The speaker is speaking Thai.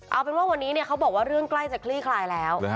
เอาเป็นว่าวันนี้เขาบอกว่าเรื่องใกล้จะคลี่คลายแล้ว